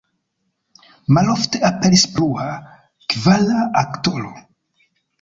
Malofte aperis plua, kvara aktoro.